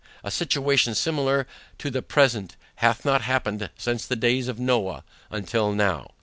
A situation, similar to the present, hath not happened since the days of Noah until now.